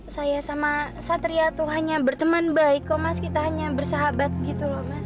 saya sama satria tuh hanya berteman baik kok mas kita hanya bersahabat gitu loh mas